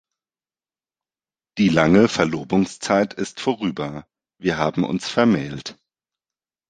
Die lange Verlobungszeit ist vorüber, wir haben uns vermählt.